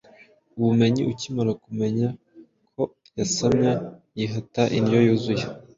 Umubyeyi ukimara kumenya ko yasamye yihata indyo yuzuye.